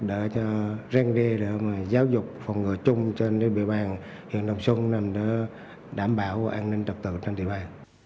để cho răng đê giáo dục phòng ngừa chung cho những biện pháp hiện đồng xuân để đảm bảo an ninh trọc tự trong địa bàn